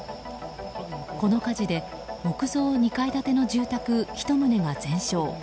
この火事で木造２階建ての住宅１棟が全焼。